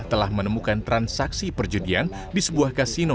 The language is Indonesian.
telah menemukan transaksi perjudian di sebuah kasino